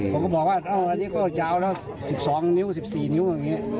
ผมก็บอกว่าอันนี้ก็ยาวแล้ว๑๒นิ้ว๑๔นิ้วอย่างนี้